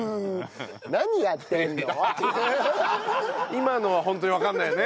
今のはホントにわかんないね。